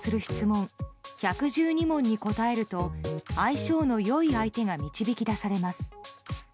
１１２問に答えると相性の良い相手が導き出されます。